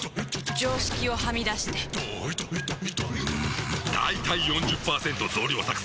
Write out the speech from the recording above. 常識をはみ出してんだいたい ４０％ 増量作戦！